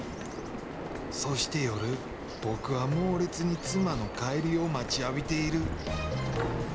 そして夜、僕は猛烈に妻の帰りを待ちわびている。